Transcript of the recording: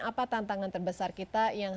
apa tantangan terbesar kita yang